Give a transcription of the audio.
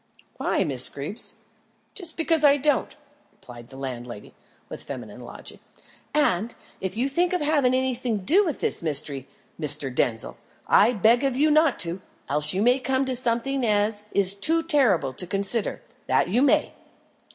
"Why, Miss Greeb?" "Just because I don't," replied the landlady, with feminine logic. "And if you think of having anything to do with this mystery, Mr. Denzil, I beg of you not to, else you may come to something as is too terrible to consider that you may."